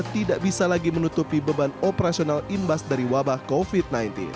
tidak bisa lagi menutupi beban operasional imbas dari wabah covid sembilan belas